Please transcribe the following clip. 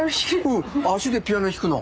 うん足でピアノ弾くの。